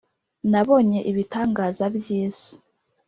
nabonye ibitangaza by’ isi